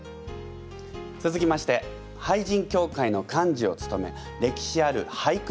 続きまして俳人協会の幹事をつとめ歴史ある俳句